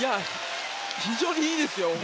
非常にいいですよ。